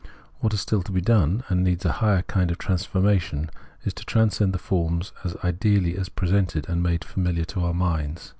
"What is still to be done and needs a higher kind of transfor::iation, is to transcend the forms as ideally presented and made familiar to our minds.